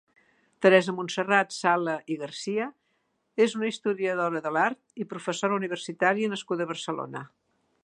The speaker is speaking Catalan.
Teresa-Montserrat Sala i Garcia és una historiadora de l'art i professora universitària nascuda a Barcelona.